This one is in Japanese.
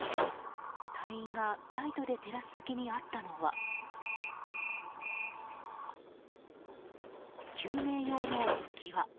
隊員がライトで照らす先にあったのは救命用の浮き輪。